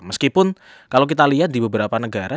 meskipun kalau kita lihat di beberapa negara